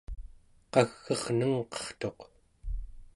qag'ernengqertuq